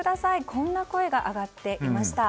こんな声が上がっていました。